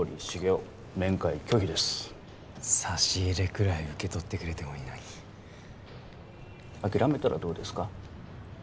生面会拒否です差し入れくらい受け取ってくれてもいいのに諦めたらどうですか？